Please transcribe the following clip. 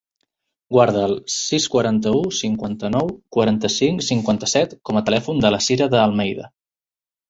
Guarda el sis, quaranta-u, cinquanta-nou, quaranta-cinc, cinquanta-set com a telèfon de la Sira De Almeida.